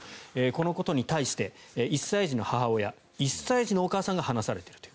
このことに対して１歳児の母親、１歳児のお母さんが離されていると。